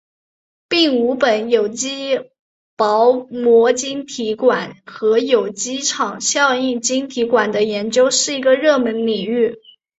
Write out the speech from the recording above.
并五苯有机薄膜晶体管和有机场效应晶体管的研究是一个热门领域。